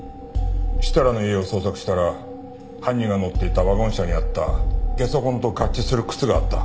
設楽の家を捜索したら犯人が乗っていたワゴン車にあったゲソ痕と合致する靴があった。